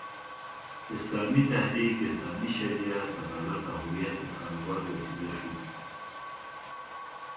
اسلامي تحریک، اسلامي شریعت، عدالت او هویت د کاروبار وسیله شول.